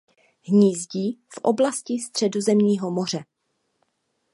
Hnízdí v oblasti Středozemního moře.